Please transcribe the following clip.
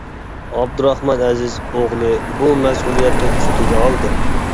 ئابدۇراخمان ئەزىز ئوغلى بۇ مەسئۇلىيەتنى ئۈستىگە ئالدى.